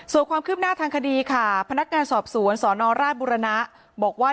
ส่วนความคืบหน้าทางคดีค่ะพนักงานสอบสวนสนราชบุรณะบอกว่า